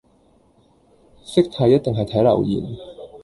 識睇一定係睇留言